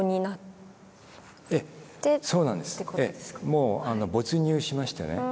もう没入しましてね